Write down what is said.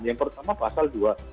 yang pertama pasal dua puluh tujuh